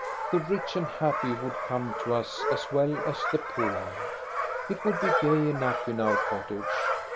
The rich and happy would come to us as well as the poor. It would be gay enough in our cottage.